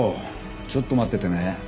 ちょっと待っててね。